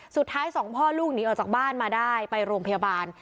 สุดท้ายสองพ่อลูกหนีออกจากบ้านมาได้ไปโรงพยาบาล